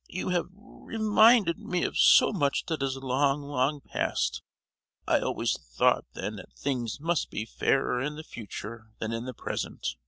You have re—minded me of so much that is long, long passed! I always thought then that things must be fairer in the future than in the present.